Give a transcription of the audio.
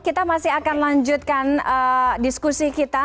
kita masih akan lanjutkan diskusi kita